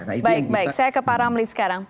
baik baik saya ke pak ramli sekarang